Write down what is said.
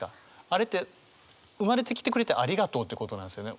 あれって生まれてきてくれてありがとうってことなんですよね。